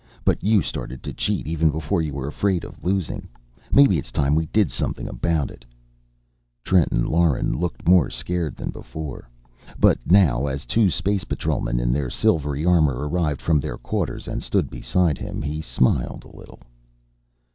But you started to cheat even before you were afraid of losing. Maybe it's time we did something about it." Trenton Lauren looked more scared than before. But now, as two Space Patrolmen in their silvery armor, arrived from their quarters and stood beside him, he smiled a little.